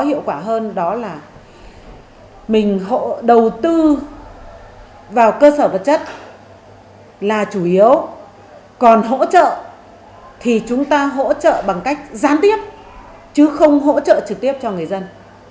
hỗ trợ bằng cách gián tiếp chứ không hỗ trợ trực tiếp cho người dân